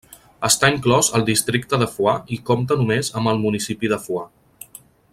Està inclòs al districte de Foix i compta només amb el municipi de Foix.